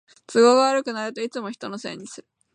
都合が悪くなるといつも人のせいにする